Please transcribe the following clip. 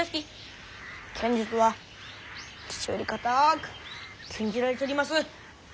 剣術は父よりかたく禁じられちょります。